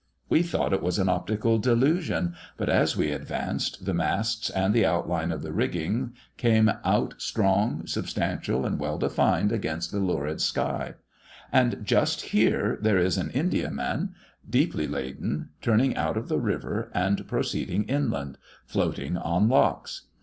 We thought it was an optical delusion; but, as we advanced, the masts and the outline of the rigging came out strong, substantial, and well defined, against the lurid sky: and just here there is an Indiaman, deeply laden, turning out of the river, and proceeding inland, floating on locks.